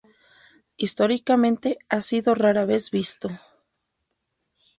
Históricamente ha sido rara vez visto.